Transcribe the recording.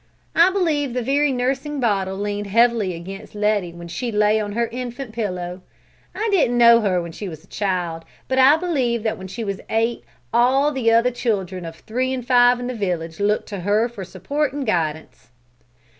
I believe the very nursing bottle leaned heavily against Letty when she lay on her infant pillow. I didn't know her when she was a child, but I believe that when she was eight all the other children of three and five in the village looked to her for support and guidance!"